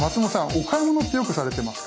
お買い物ってよくされてますか？